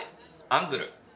「アングル」